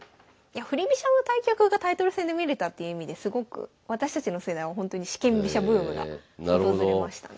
振り飛車の対局がタイトル戦で見れたっていう意味ですごく私たちの世代はほんとに四間飛車ブームが訪れましたね。